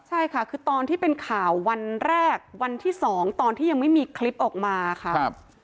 ใช่ค่ะคือตอนที่เป็นข่าววันแรกวันที่๒ตอนที่ยังไม่มีคลิปออกมาค่ะ